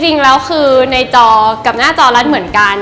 จริงแล้วคือในจอกับหน้าจอรัฐเหมือนกัน